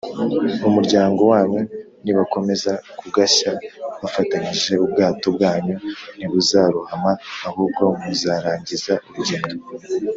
umuryango wanyu nibakomeza kugashya bafatanyije ubwato bwanyu ntibuzarohama ahubwo muzarangiza urugendo